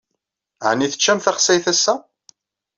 Ɛni teččam taxsayt ass-a?